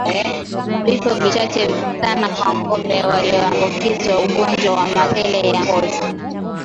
Vifo vichache sana kwa ngoombe walioambukizwa ugonjwa wa mapele ya ngozi